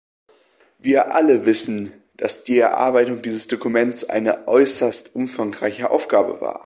Wir alle wissen, dass die Erarbeitung dieses Dokuments eine äußerst umfangreiche Aufgabe war.